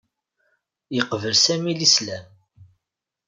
Yeqbel Sami Lislam.